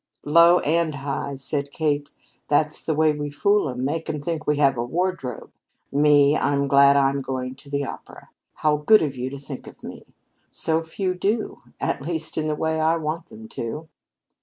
"Low and high," said Kate. "That's the way we fool 'em make 'em think we have a wardrobe. Me I'm glad I'm going to the opera. How good of you to think of me! So few do at least in the way I want them to."